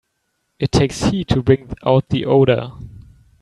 It takes heat to bring out the odor.